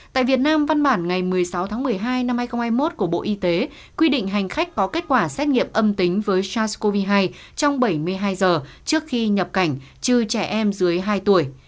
tại việt nam văn bản ngày một mươi sáu tháng một mươi hai năm hai nghìn hai mươi một của bộ y tế quy định hành khách có kết quả xét nghiệm âm tính với sars cov hai trong bảy mươi hai giờ trước khi nhập cảnh trừ trẻ em dưới hai tuổi